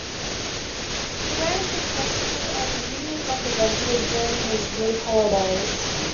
He ran successfully as a Union representative during his blue collar days.